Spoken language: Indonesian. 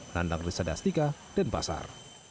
tandang risa dastika dan pasar